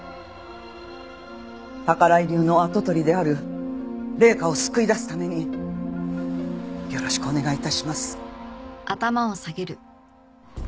宝居流の跡取りである麗華を救い出すためによろしくお願い致します。